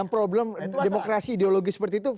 dan problem demokrasi ideologi seperti itu